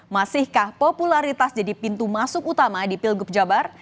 masihkah popularitas jadi pintu masuk utama di pilgub jabar